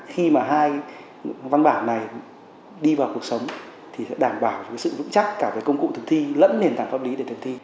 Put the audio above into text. khi mà hai văn bản này đi vào cuộc sống thì sẽ đảm bảo sự vững chắc cả về công cụ thực thi lẫn nền tảng pháp lý để thực thi